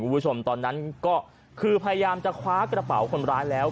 คุณผู้ชมตอนนั้นก็คือพยายามจะคว้ากระเป๋าคนร้ายแล้ว